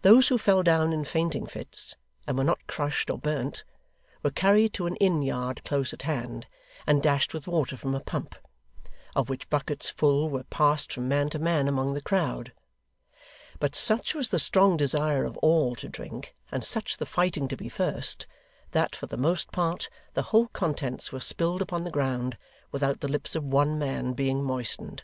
Those who fell down in fainting fits, and were not crushed or burnt, were carried to an inn yard close at hand, and dashed with water from a pump; of which buckets full were passed from man to man among the crowd; but such was the strong desire of all to drink, and such the fighting to be first, that, for the most part, the whole contents were spilled upon the ground, without the lips of one man being moistened.